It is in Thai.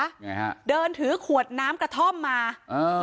ยังไงฮะเดินถือขวดน้ำกระท่อมมาอ่า